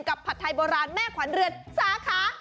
ผัดไทยโบราณแม่ขวัญเรือนสาขา